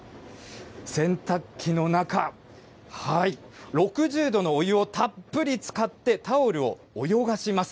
洗濯機の中、６０度のお湯をたっぷり使って、タオルを泳がします。